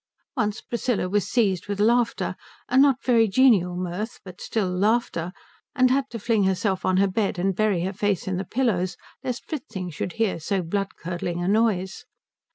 Once Priscilla was seized with laughter a not very genial mirth, but still laughter and had to fling herself on her bed and bury her face in the pillows lest Fritzing should hear so blood curdling a noise.